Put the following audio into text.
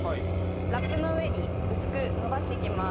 ラップの上に薄く延ばしていきます。